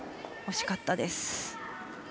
惜しかったです。